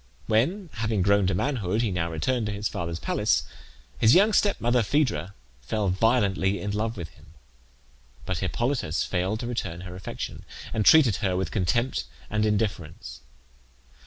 When, having grown to manhood, he now returned to his father's palace, his young stepmother, Phaedra, fell violently in love with him; but Hippolytus failed to return her affection, and treated her with contempt and indifference.